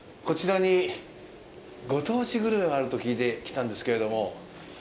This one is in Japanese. こちらにご当地グルメがあると聞いて来たんですけれども。